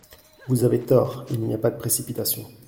Vous avez tort ! Il n’y a pas de précipitation.